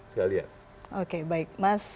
sekalian oke baik mas